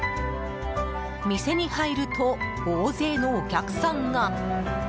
店に入ると大勢のお客さんが。